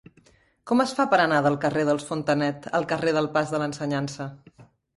Com es fa per anar del carrer dels Fontanet al carrer del Pas de l'Ensenyança?